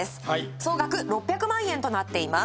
総額６００万円となっています